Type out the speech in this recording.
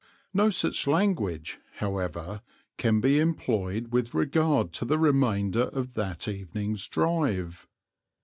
No such language, however, can be employed with regard to the remainder of that evening's drive.